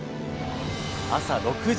朝６時。